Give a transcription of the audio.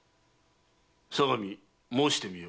相模申してみよ。